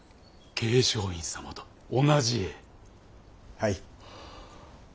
はい。